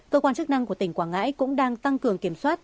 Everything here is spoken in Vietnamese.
cơ quan chức năng của tỉnh quảng ngãi cũng đang tăng cường kiểm soát